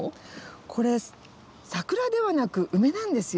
これ桜ではなくウメなんですよ。